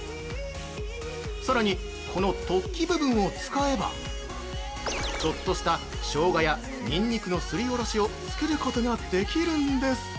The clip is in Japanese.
さらに、この突起部分を使えば、ちょっとしたショウガやニンニクのすりおろしを作ることができるんです！